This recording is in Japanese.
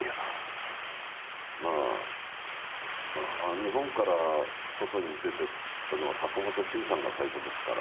日本から外に出てったのは坂本九さんが最初ですから。